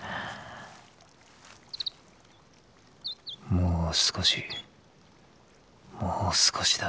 もう少しもう少しだ。